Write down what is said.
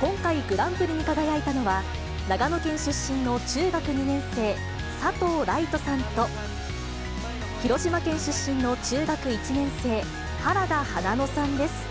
今回、グランプリに輝いたのは、長野県出身の中学２年生、佐藤来未登さんと、広島県出身の中学１年生、原田花埜さんです。